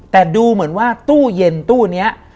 แต่ดูเหมือนว่าตู้เย็นตู้นี้